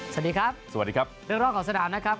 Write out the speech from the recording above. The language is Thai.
สวัสดีครับสวัสดีครับเรื่องรอบของสนามนะครับ